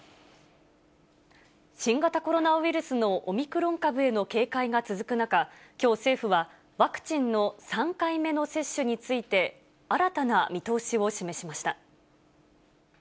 新型コロナウイルスのオミクロン株への警戒が続く中、きょう政府は、ワクチンの３回目の接種について、新たな見通しを示しました。